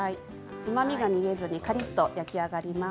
うまみが逃げずにカリっと焼き上がります。